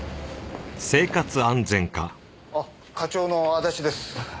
課長の安達です。